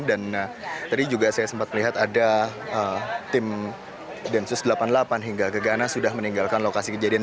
dan tadi juga saya sempat melihat ada tim densus delapan puluh delapan hingga gagana sudah meninggalkan lokasi kejadian